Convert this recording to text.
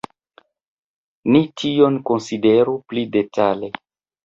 Ni tion konsideru pli detale.